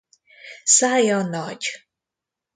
Szája nagy.